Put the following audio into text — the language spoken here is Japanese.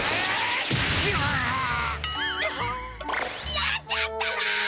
やっちゃっただ！